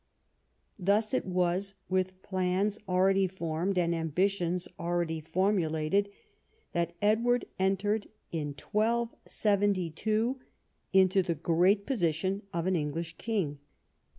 Thus it was, with plans already formed and ambitions already formulated, that Edward entered in 1272 into the great position of an English king.